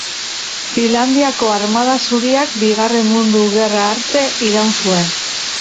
Finlandiako Armada Zuriak Bigarren Mundu Gerra arte iraun zuen.